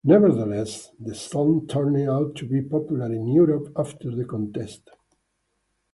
Nevertheless, the song turned out to be popular in Europe after the contest.